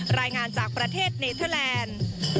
รายงานจากประเทศเนเทอร์แลนด์